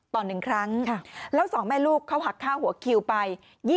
๑ครั้งแล้ว๒แม่ลูกเขาหักค่าหัวคิวไป